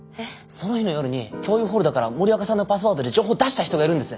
その日の夜に共有フォルダーから森若さんのパスワードで情報出した人がいるんです！